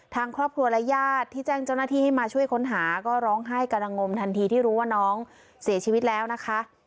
ทางครอบครัวและญาติที่แจ้งเจ้าหน้าที่ให้มาช่วยค้นหาก็ร้องไห้กระงมทันทีที่รู้ว่าน้องเสียชีวิตแล้วนะคะ